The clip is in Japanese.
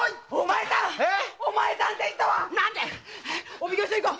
お奉行所へ行こう！